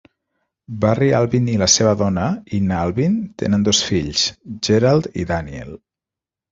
Barry Albin i la seva dona, Inna Albin, tenen dos fills, Gerald i Daniel.